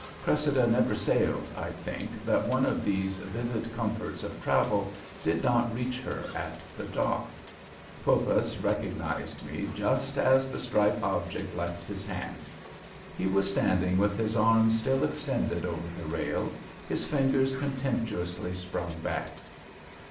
Cressida never sailed, I think, that one of these vivid comforts of travel did not reach her at the dock. Poppas recognized me just as the striped object left his hand. He was standing with his arm still extended over the rail, his fingers contemptuously sprung back.